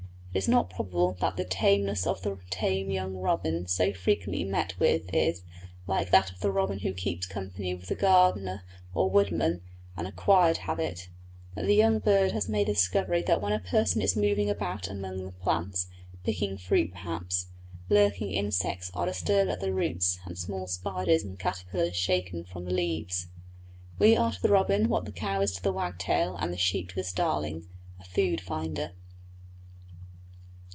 Is it not probable that the tameness of the tame young robin so frequently met with is, like that of the robin who keeps company with the gardener or woodman, an acquired habit; that the young bird has made the discovery that when a person is moving about among the plants, picking fruit perhaps, lurking insects are disturbed at the roots and small spiders and caterpillars shaken from the leaves? We are to the robin what the cow is to the wagtail and the sheep to the starling a food finder.